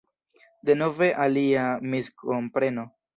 Denove alia miskompreno.